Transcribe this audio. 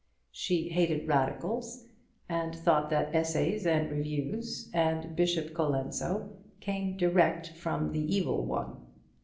She hated Radicals, and thought that Essays and Reviews, and Bishop Colenso, came direct from the Evil One.